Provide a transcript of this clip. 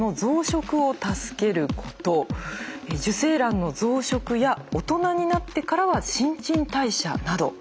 受精卵の増殖や大人になってからは新陳代謝など。